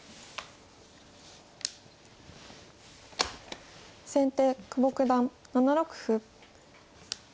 先手久保九段７六歩。